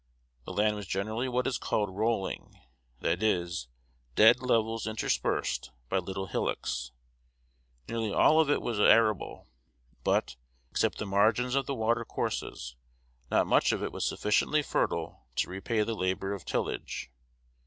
The land was generally what is called "rolling;" that is, dead levels interspersed by little hillocks. Nearly all of it was arable; but, except the margins of the watercourses, not much of it was sufficiently fertile to repay the labor of tillage.